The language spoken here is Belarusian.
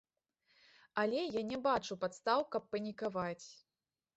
Але я не бачу падстаў, каб панікаваць.